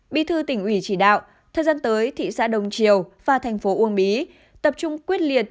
bí thư tỉnh ủy chỉ đạo thời gian tới thị xã đông triều và thành phố uông bí tập trung quyết liệt